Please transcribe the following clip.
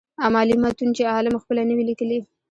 امالي متون چي عالم خپله نه وي ليکلي.